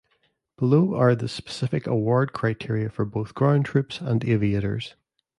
Below are the specific award criteria for both ground troops and aviators.